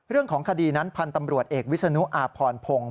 เรื่องของคดีนั้นพันธ์ตำรวจเอกวิศนุอาพรพงศ์